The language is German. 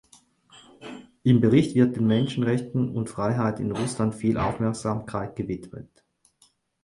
Im Bericht wird den Menschenrechten und Freiheiten in Russland viel Aufmerksamkeit gewidmet.